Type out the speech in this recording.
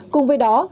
cùng với đó